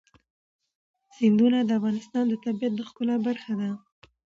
سیندونه د افغانستان د طبیعت د ښکلا برخه ده.